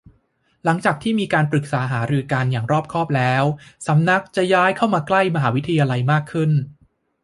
หลังจากที่มีการปรึกษาหารือกันอย่างรอบคอบแล้ว สำนักงานจะย้ายเข้ามาใกล้มหาวิทยาลัยมากขึ้น